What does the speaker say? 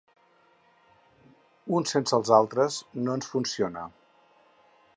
Un sense els altres no ens funciona.